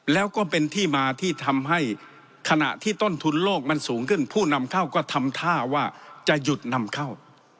แล้วก็เป็นที่มาที่ทำให้ขณะที่ต้นทุนโลกมันสูงขึ้นผู้นำเข้าก็ทำท่าว่าจะหยุดนำเข้า